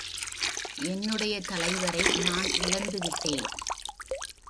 என்னுடைய தலைவரை நான் இழந்து விட்டேன்.